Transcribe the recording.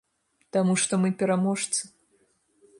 Таму што мы пераможцы.